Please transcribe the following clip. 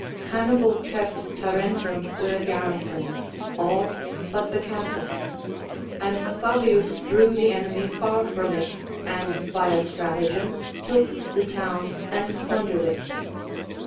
Hannibal kept Tarentum with a garrison, all but the castle ; and Fabius drew the enemy far from it, and by a stratagem took the town and plundered it.